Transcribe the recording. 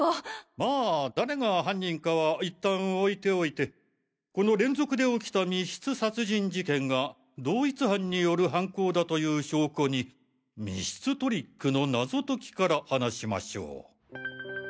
まぁ誰が犯人かは一旦置いておいてこの連続でおきた密室殺人事件が同一犯による犯行だという証拠に密室トリックの謎解きから話しましょう。